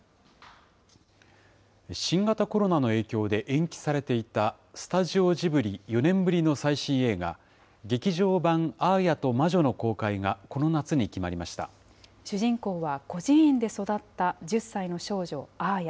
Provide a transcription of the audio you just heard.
新型コロナの影響で延期されていた、スタジオジブリ４年ぶりの最新映画、劇場版アーヤと魔女の公開が、主人公は、孤児院で育った１０歳の少女、アーヤ。